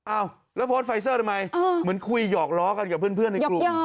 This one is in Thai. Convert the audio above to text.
อ้าวแล้วโพสต์ไฟเซอร์ทำไมเหมือนคุยหยอกล้อกันกับเพื่อนในกลุ่ม